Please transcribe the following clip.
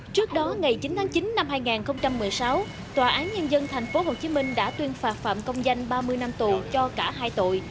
trước đó ngày chín tháng chín năm hai nghìn một mươi sáu tòa án nhân dân tp hcm đã tuyên phạt phạm công danh ba mươi năm tù cho cả hai tội